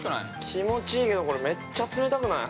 ◆気持ちいいけど、これ、めっちゃ冷たくない？